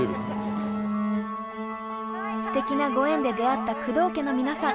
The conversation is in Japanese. ステキなご縁で出会った工藤家の皆さん。